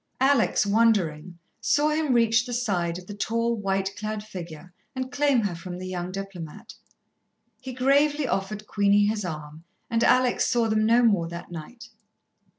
Alex, wondering, saw him reach the side of the tall, white clad figure, and claim her from the young diplomat. He gravely offered Queenie his arm, and Alex saw them no more that night.